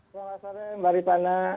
selamat sore mbak ritana